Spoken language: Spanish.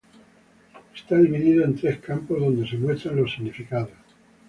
Está dividido en tres campos donde se muestran los significados.